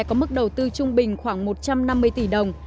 có mức đầu tư trung bình khoảng một trăm năm mươi tỷ đồng